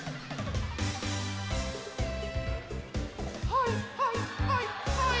はいはいはいはい。